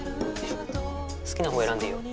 好きなほうを選んでいいよ。